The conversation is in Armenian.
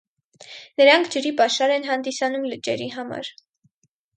Նրանք ջրի պաշար են հանդիսանում լճերի համար։